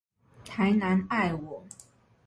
台南愛我